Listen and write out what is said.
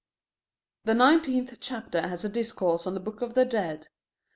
The nineteenth chapter has a discourse on the Book of the Dead.